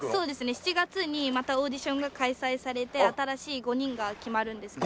７月にまたオーディションが開催されて新しい５人が決まるんですね。